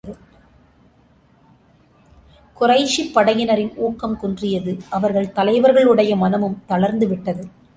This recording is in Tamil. குறைஷிப் படையினரின் ஊக்கம் குன்றியது அவர்கள் தலைவர்களுடைய மனமும் தளர்ந்து விட்டது.